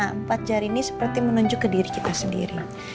nah empat jari ini seperti menunjuk ke diri kita sendiri